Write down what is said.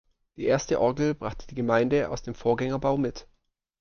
Die erste Orgel brachte die Gemeinde aus dem Vorgängerbau mit.